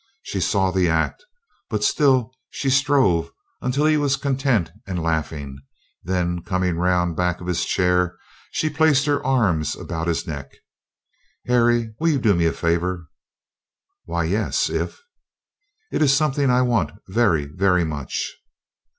She saw the act; but still she strove until he was content and laughing; then coming round back of his chair, she placed her arms about his neck. "Harry, will you do me a favor?" "Why, yes if " "It is something I want very, very much."